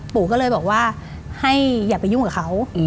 ปู่ก็เลยบอกว่าให้อย่าไปยุ่งกับเขา